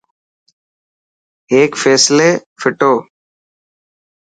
هيڪ فيصلي ڦوٽو.